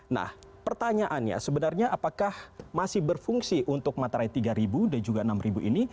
nah pertanyaannya sebenarnya apakah masih berfungsi untuk materai tiga ribu dan juga rp enam ini